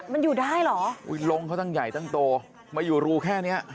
มันอยู่ได้เหรออุ้ยลงเขาตั้งใหญ่ตั้งโตมาอยู่รูแค่เนี้ย